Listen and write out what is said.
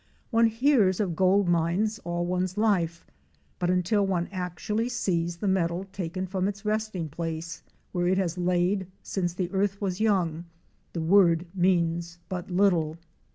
'' One hears of gold mines all one's life, but until one actually sees the metal taken from its resting place where it has laid since the earth was young, the word means but little.